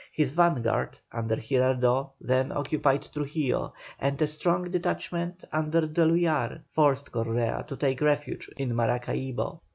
His vanguard, under Girardot, then occupied Trujillo, and a strong detachment under D'Eluyar forced Correa to take refuge in Maracaibo.